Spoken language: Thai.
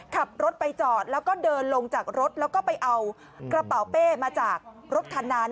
ขับรถไปจอดแล้วก็เดินลงจากรถแล้วก็ไปเอากระเป๋าเป้มาจากรถคันนั้น